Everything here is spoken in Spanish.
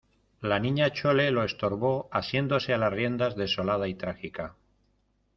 la Niña Chole lo estorbó asiéndose a las riendas desolada y trágica: